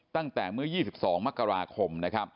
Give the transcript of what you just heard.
ตั้งแต่เมื่อ๒๒มกราคม